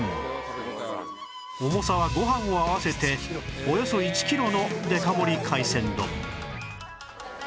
重さはご飯を合わせておよそ１キロのデカ盛り海鮮丼